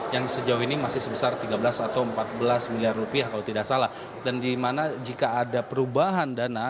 yang sejauh ini masih sebesar tiga belas atau empat belas miliar rupiah kalau tidak salah dan dimana jika ada perubahan dana